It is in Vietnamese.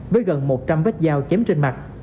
với gần một trăm linh vết dao chém trên mặt